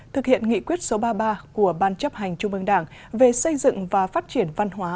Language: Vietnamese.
thực hiện nghị quyết số ba mươi ba của ban chấp hành trung ương đảng về xây dựng và phát triển văn hóa